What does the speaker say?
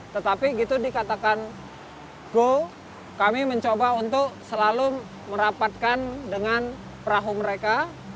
tetapi gitu dikatakan go kami mencoba untuk selalu merapatkan dengan perahu mereka